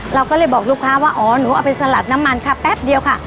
เราก็เลยบอกลูกค้าว่าอ๋อหนูเอาไปสลัดน้ำมันค่ะแป๊บเดียวค่ะ